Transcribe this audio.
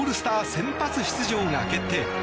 先発出場が決定。